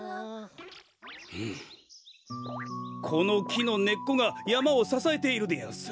このきのねっこがやまをささえているでやんす。